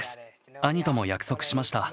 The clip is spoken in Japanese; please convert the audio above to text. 兄とも約束しました。